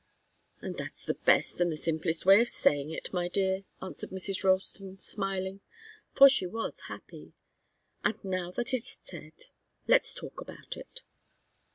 "And that's the best and the simplest way of saying it, my dear," answered Mrs. Ralston, smiling for she was happy. "And now that it's said, let's talk about it."